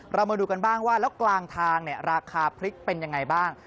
เรามาดูกันบ้างว่าแล้วกลางทางเนี่ยราคาพริกเป็นยังไงบ้าง